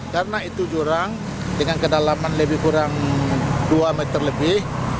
karena itu jurang dengan kedalaman lebih kurang dua meter lebih